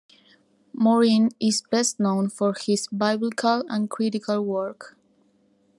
Morin is best known for his biblical and critical work.